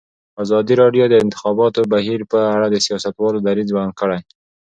ازادي راډیو د د انتخاباتو بهیر په اړه د سیاستوالو دریځ بیان کړی.